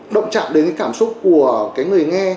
động chạm đến cái cảm xúc của cái người nghe